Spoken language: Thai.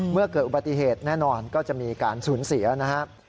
เมื่อเกิดอุบัติเหตุแน่นอนก็จะมีการสูญเสียนะครับ